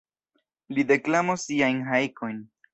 Li deklamos siajn hajkojn.